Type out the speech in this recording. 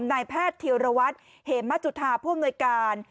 คุณหมอธิวรวัตรเหมมจุธาพ่วงโนยการ